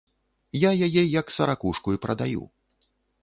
Я яе як саракушку і прадаю.